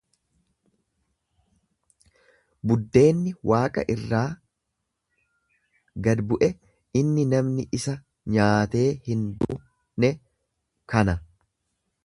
Buddeenni waaqa irraa gad bu’e inni namni isaa nyaatee hin du’ne kana.